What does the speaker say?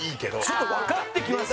ちょっとわかってきました俺。